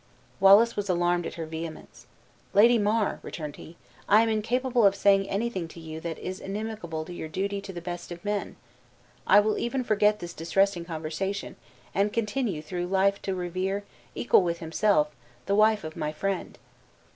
Wallace was alarmed at her vehemence. "Lady Mar," returned he, "I am incapable of saying anything to you that is inimical to your duty to the best of men. I will even forget this distressing conversation, and continue through life to revere, equal with himself, the wife of my friend."